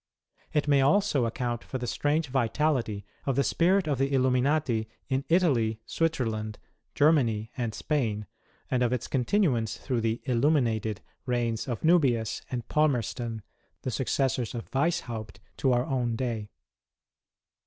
It may also account for the strange vitality of the spu it of the Illuminati in Italy, Switzerland, Germany, and Spain, and of its continuance through the " Illuminated " reigns of Nubius and Palmerston, the successors of Weishaupt to our own day.